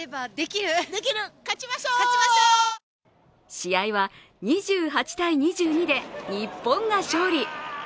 試合は２８−２２で日本が勝利。